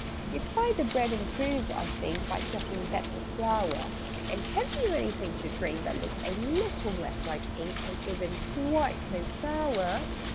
"You'd find the bread improved, I think, By getting better flour: And have you anything to drink That looks a little less like ink, And isn't quite so sour?"